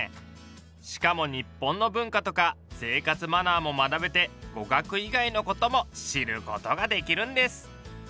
しかも日本の文化とか生活マナーも学べて語学以外のことも知ることができるんです。